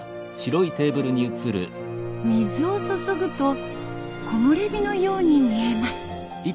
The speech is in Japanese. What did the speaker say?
水を注ぐと木漏れ日のように見えます。